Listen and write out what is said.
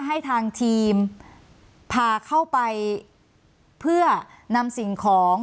ให้ทางทีมพาเข้าไปเพื่อนำสิ่งของ